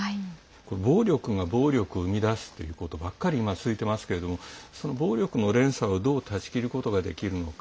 暴力が暴力を生み出すということばかり続いてますけどその暴力の連鎖をどう断ち切ることができるのか。